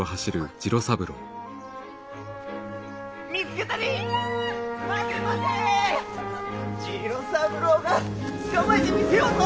次郎三郎が捕まえてみせようぞ！